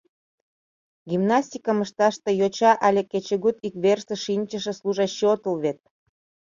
— Гимнастикым ышташ тый йоча але кечыгут ик верыште шинчыше служащий отыл вет.